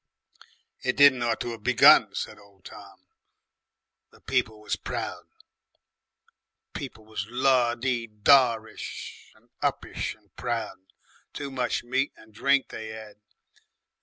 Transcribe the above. "It didn't ought to 'ave begun," said old Tom, "But people was proud. People was la dy da ish and uppish and proud. Too much meat and drink they 'ad.